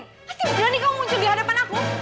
berarti berani kamu muncul di hadapan aku